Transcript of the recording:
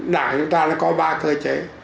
đảng chúng ta có ba cơ chế